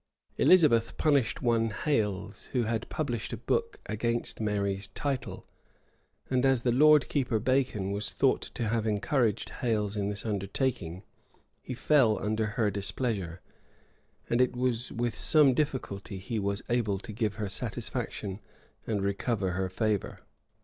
Elizabeth punished one Hales, who had published a book against Mary's title;[*] and as the lord keeper Bacon was thought to have encouraged Hales in this undertaking, he fell under her displeasure, and it was with some difficulty he was able to give her satisfaction, and recover her favor.